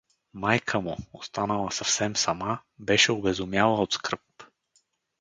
Майка му, останала съвсем сама, беше обезумяла от скръб.